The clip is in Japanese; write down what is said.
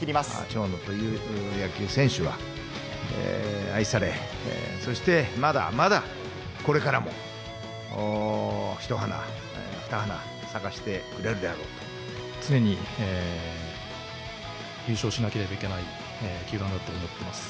長野という野球選手は、愛され、そしてまだまだこれからも、ひと花ふた花咲かせてくれるであ常に優勝しなければいけない球団だと思っています。